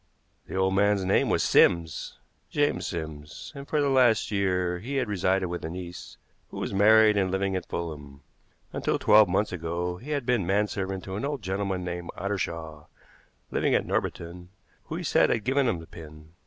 The old man's name was Sims James Sims and for the last year he had resided with a niece, who was married and living at Fulham. Until twelve months ago he had been manservant to an old gentleman named Ottershaw, living at Norbiton, who he said had given him the pin.